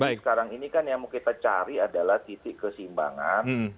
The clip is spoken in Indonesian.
jadi sekarang ini kan yang mau kita cari adalah titik kesimpulan